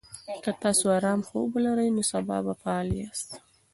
که تاسي ارام خوب ولرئ، نو سبا به فعال یاست.